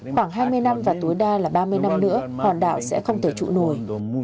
khoảng hai mươi năm và tối đa là ba mươi năm nữa hòn đảo sẽ không thể trụ nổi